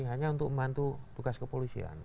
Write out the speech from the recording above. hanya untuk membantu tugas kepolisian